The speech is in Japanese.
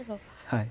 はい。